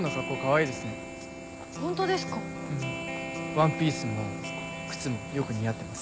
ワンピースも靴もよく似合ってます。